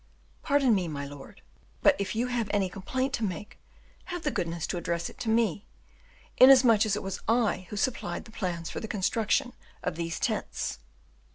"Pardon me, my lord; but if you have any complaint to make, have the goodness to address it to me, inasmuch as it was I who supplied the plans for the construction of these tents."